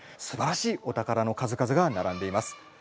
すばらしいおたからの数々がならんでいます。